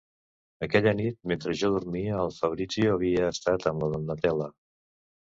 Aquella nit, mentre jo dormia, el Fabrizio havia estat amb la Donatella.